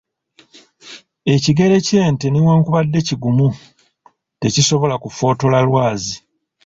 Ekigere ky'ente newankubadde kigumu, tekisobola kufootola lwazi.